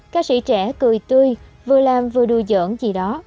ca sĩ trẻ cười tươi vừa làm vừa đùa giỡn gì đó